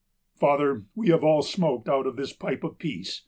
"Father, we have all smoked out of this pipe of peace.